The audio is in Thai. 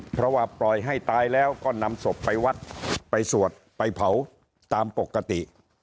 เพราะว่าปล่อยให้ตายแล้วก็นำศพไปวัดไปสวดไปเผาตามปกติ